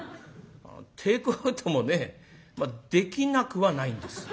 テークアウトもねできなくはないんですよ。